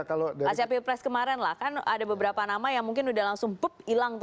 acp press kemarin lah kan ada beberapa nama yang mungkin sudah langsung hilang tuh